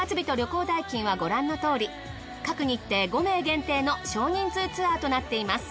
各日程５名限定の少人数ツアーとなっています。